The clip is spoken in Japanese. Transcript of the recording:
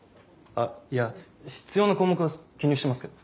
あっいや必要な項目は記入してますけど。